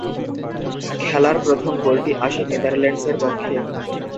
খেলার প্রথম গোলটি আসে নেদারল্যান্ডসের পক্ষে।